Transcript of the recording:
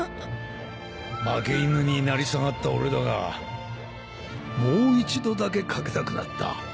負け犬に成り下がった俺だがもう一度だけ賭けたくなった。